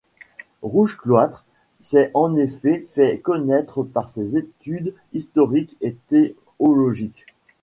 Rouge-Cloître s'est en effet fait connaître par ses études historiques et théologiques.